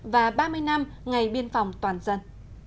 và ba mươi năm ngày biên phòng toàn dân